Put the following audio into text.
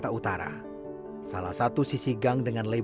dan juga nemerasiksi awak senang dei